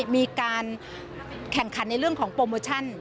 มีการแข่งขันในเรื่องของโปรโมชั่น